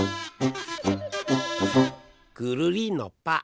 ぐるりんのぱ。